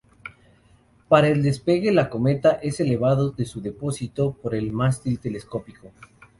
Para el despegue la cometa es elevado de su depósito por el mástil telescópico.